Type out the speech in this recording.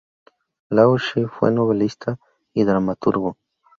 Lao She fue novelista y dramaturgo.